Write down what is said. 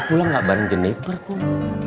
saya pulang nggak bareng jeniper kum